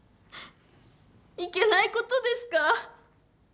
いけないことですか？